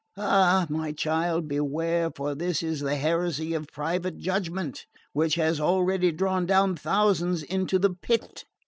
"Ah, my child, beware, for this is the heresy of private judgment, which has already drawn down thousands into the pit.